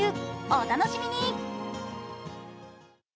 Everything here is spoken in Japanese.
お楽しみに！